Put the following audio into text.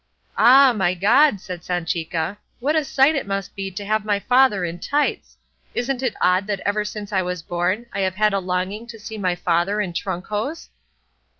"Ah! my God!" said Sanchica, "what a sight it must be to see my father in tights! Isn't it odd that ever since I was born I have had a longing to see my father in trunk hose?"